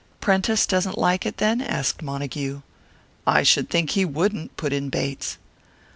"Prentice doesn't like it, then?" asked Montague. "I should think he wouldn't!" put in Bates.